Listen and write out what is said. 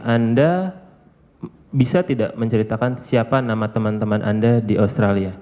anda bisa tidak menceritakan siapa nama teman teman anda di australia